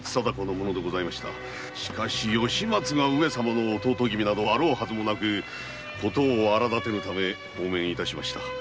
しかし吉松が上様の弟君などあろうはずもなく事を荒だてぬため放免いたしました。